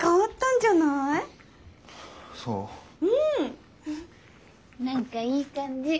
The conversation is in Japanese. なんかいい感じ。